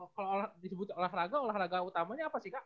kalau disebut olahraga olahraga utamanya apa sih kak